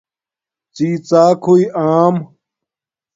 ڎی ڎاک ہوئئ آم